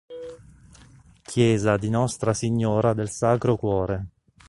Chiesa di Nostra Signora del Sacro Cuore